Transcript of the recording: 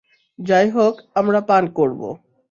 যাই হোক, আমরা পান করব।